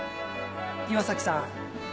岩崎さん。